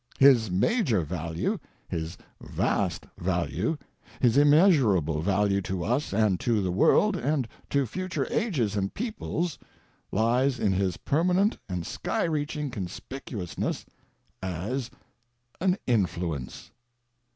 His major value, his vast value, his immeasurable value to us and to the world and to future ages and peoples, lies in his permanent and sky reaching conspicuousness as an influence.